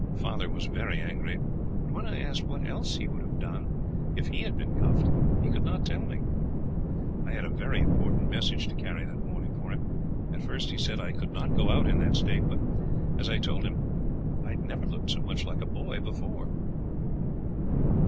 Father was very angry, but when I asked what else he would have done if he had been cuffed, he could not tell me. I had a very important message to carry that morning for him. At first he said I could not go out in that state; but, as I told him, I had never looked so much like a boy before."